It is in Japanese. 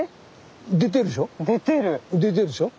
出てるでしょ？